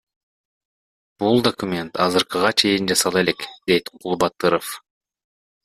Бул документ азыркыга чейин жасала элек, — дейт Кулбатыров.